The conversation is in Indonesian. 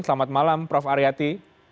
selamat malam prof ariyati